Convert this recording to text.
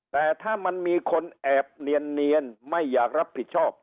แต่ถ้ามันมีคนแอบเนียนไม่อยากรับผิดชอบ